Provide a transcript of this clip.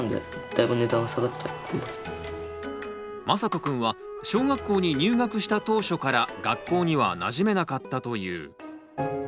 まさとくんは小学校に入学した当初から学校にはなじめなかったという。